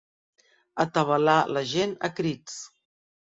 Atabalar la gent a crits.